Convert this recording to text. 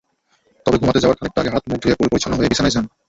তবে, ঘুমাতে যাওয়ার খানিকটা আগে হাত-মুখ ধুয়ে পরিচ্ছন্ন হয়ে বিছানায় যান।